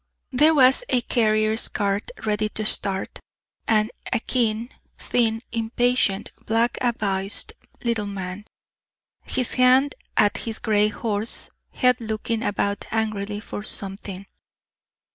There was a carrier's cart ready to start, and a keen, thin, impatient, black a vised little man, his hand at his gray horse's head looking about angrily for something.